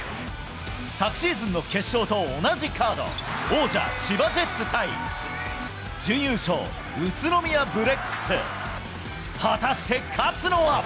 昨シーズンの決勝と同じカード、王者、千葉ジェッツ対、準優勝、宇都宮ブレックス。